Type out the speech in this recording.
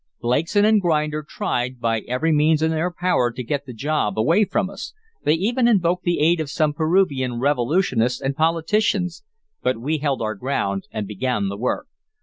"Blakeson & Grinder tried, by every means in their power, to get the job away from us. They even invoked the aid of some Peruvian revolutionists and politicians, but we held our ground and began the work.